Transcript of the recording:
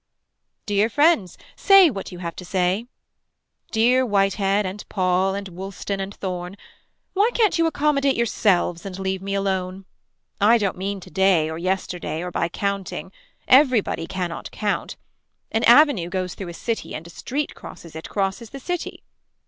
Dear friends. Say what you have to say. Dear Whitehead and Paul and Woolston and Thorne. Why can't you accomodate yourselves and leave me alone. I don't mean to day or yesterday or by counting. Everybody cannot count. An avenue goes through a city and a street crosses it crosses the city.